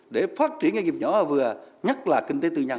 để phát triển nghiệp nhỏ và vừa nhất là kinh tế tự nhằn